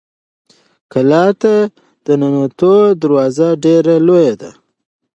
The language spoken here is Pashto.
کلا ته د ننوتلو دروازه ډېره لویه ده.